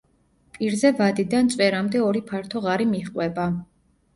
პირზე ვადიდან წვერამდე ორი ფართო ღარი მიჰყვება.